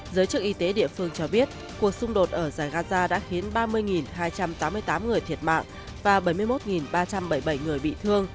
giới chức y tế địa phương cho biết cuộc xung đột ở giải gaza đã khiến ba mươi hai trăm tám mươi tám người thiệt mạng và bảy mươi một ba trăm bảy mươi bảy người bị thương